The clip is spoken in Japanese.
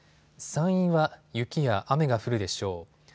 山陰は雪や雨が降るでしょう。